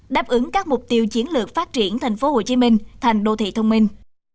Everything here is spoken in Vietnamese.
đáp ứng các mục tiêu chiến lược phát triển tp hcm thành đô thị thông minh